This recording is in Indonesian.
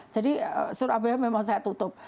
jadi surabaya memang saya tutup